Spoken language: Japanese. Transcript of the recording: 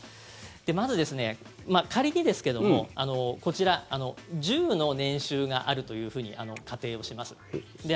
まずですね、仮にですけどもこちら１０の年収があるというふうに仮定をします。